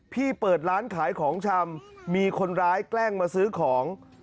เปิดร้านขายของชำมีคนร้ายแกล้งมาซื้อของ